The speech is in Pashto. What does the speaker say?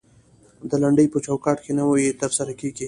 د لنډۍ په چوکات کې نوى تر سره کړى.